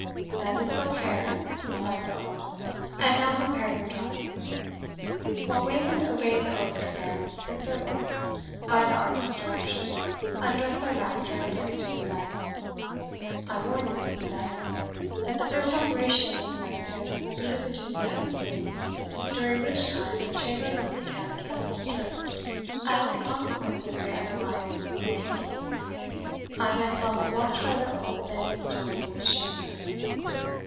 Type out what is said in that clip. "That is but fair," replied the Earl; "and now prepare your drug." While Wayland obeyed the Earl's commands, his servants, by the artist's direction, undressed their master, and placed him in bed. "I warn you," he said, "that the first operation of this medicine will be to produce a heavy sleep, during which time the chamber must be kept undisturbed, as the consequences may otherwise he fatal. I myself will watch by the Earl with any of the gentlemen of his chamber."